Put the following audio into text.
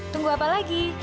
tunggu apa lagi